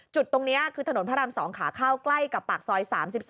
จุดตรงนี้คือถนนพระราม๒ขาเข้าใกล้กับปากซอย๓๒